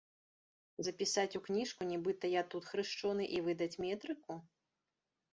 Запісаць у кніжку, нібыта я тут хрышчоны, і выдаць метрыку?